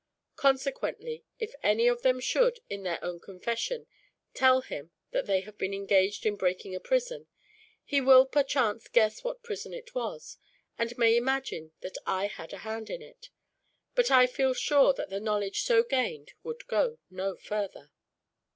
Consequently, if any of them should, in their confession, tell him that they have been engaged in breaking a prison, he will perchance guess what prison it was, and may imagine that I had a hand in it. But I feel sure that the knowledge so gained would go no further.